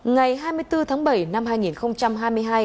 ngày hai mươi bốn tháng bảy năm hai nghìn hai mươi hai